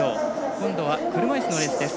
今度は車いすのレースです。